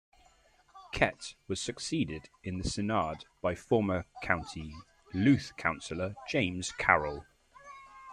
Kett was succeeded in the Seanad by former County Louth councillor James Carroll.